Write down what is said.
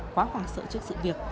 quá hoàng sợ trước sự việc